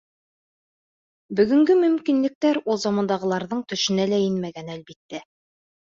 Бөгөнгө мөмкинлектәр ул замандағыларҙың төшөнә лә инмәгән, әлбиттә.